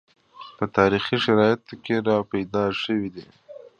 په تاریخي شرایطو کې راپیدا شوي دي